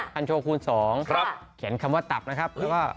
คันโชว์คูณสองเขียนคำว่าตับนะครับ